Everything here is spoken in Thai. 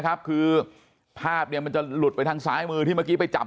คือภาพเนี่ยมันจะหลุดไปทางซ้ายมือที่เมื่อกี้ไปจับ